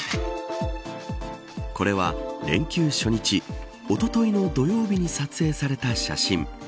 これは、連休初日おとといの土曜日に撮影された写真。